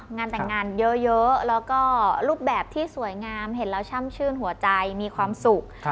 งานแต่งงานเยอะแล้วก็รูปแบบที่สวยงามเห็นแล้วช่ำชื่นหัวใจมีความสุข